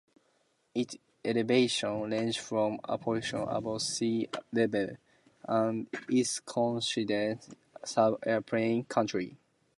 Its elevation ranges from approximately above sea level, and is considered sub-alpine country.